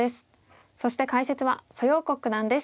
そして解説は蘇耀国九段です。